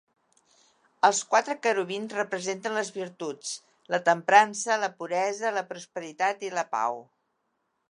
Els quatre querubins representen les virtuts: la temprança, la puresa, la prosperitat i la pau.